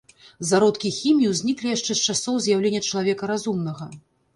Зародкі хіміі ўзніклі яшчэ з часоў з'яўлення чалавека разумнага.